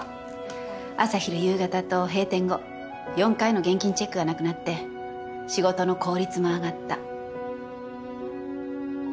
朝昼夕方と閉店後４回の現金チェックがなくなって仕事の効率も上がった。